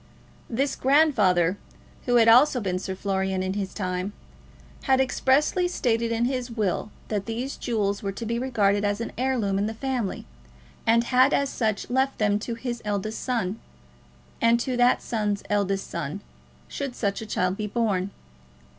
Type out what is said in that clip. This grandfather, who had also been Sir Florian in his time, had expressly stated in his will that these jewels were to be regarded as an heirloom in the family, and had as such left them to his eldest son, and to that son's eldest son, should such a child be born.